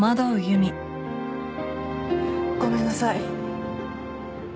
ごめんなさい。